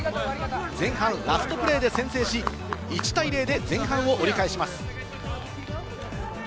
前半ラストプレーで先制し、１対０で前半を折り返します。